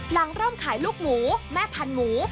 หลังเริ่มขายลูกหมูแม่พันธุ์หมู